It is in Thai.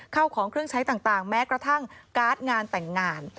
เข้าของเครื่องใช้ต่างแม้กระทั่งการ์ดงานแต่งงาน